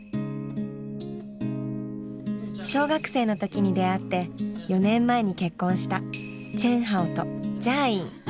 小学生の時に出会って４年前に結婚したチェンハオとジャーイン。